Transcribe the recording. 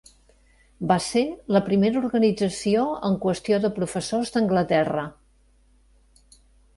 Va ser la primera organització en qüestió de professors d"Anglaterra.